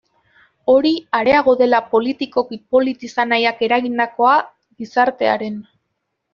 Hori areago dela politikoki polit izan nahiak eragindakoa, gizartearen.